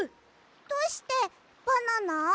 どうしてバナナ？